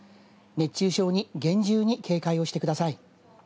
熱中症に厳重に警戒をしてください。